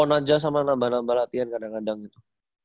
sementara ini gak ada pon aja sama nambah nambah latihan kadang kadang gitu